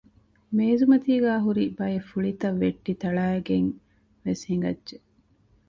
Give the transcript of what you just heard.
މޭޒުމަތީގައި ހުރި ބައެއް ފުޅިތައް ވެއްޓި ތަޅައިގެން ވެސް ހިނގައްޖެ